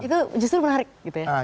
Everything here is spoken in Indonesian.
itu justru menarik gitu ya